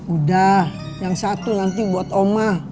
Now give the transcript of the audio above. udah yang satu nanti buat oma